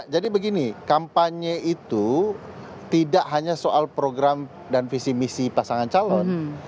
jadi begini kampanye itu tidak hanya soal program dan visi misi pasangan calon